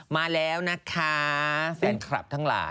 มาแล้วนะคะแฟนคลับทั้งหลาย